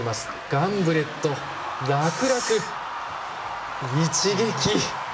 ガンブレット、楽々、一撃。